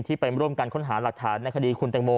ไปร่วมกันค้นหาหลักฐานในคดีคุณแตงโม